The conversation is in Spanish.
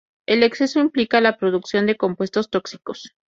El exceso implica la producción de compuestos tóxicos.